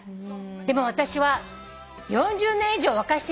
「でも私は４０年以上沸かしていますよ」